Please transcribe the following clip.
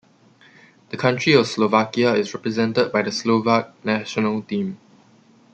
The country of Slovakia is represented by the Slovak national team.